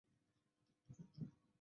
冰见市是日本富山县的一个城市。